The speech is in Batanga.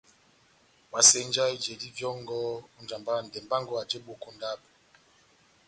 Ohásenjanɔ ijedi vyɔngɔ ó njamba ya ndɛmbɛ wɔngɔ aji eboki ó ndabo.